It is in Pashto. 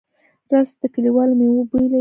رس د کلیوالو مېوو بوی لري